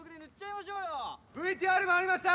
ＶＴＲ回りました